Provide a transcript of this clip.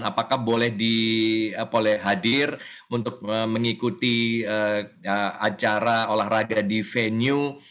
apakah boleh hadir untuk mengikuti acara olahraga di venue